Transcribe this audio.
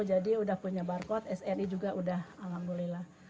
jadi udah punya barcode sri juga udah alhamdulillah